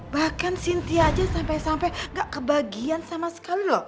bahkan sintia aja sampe sampe gak kebagian sama sekali lho